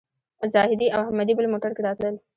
زاهدي او احمدي بل موټر کې راتلل.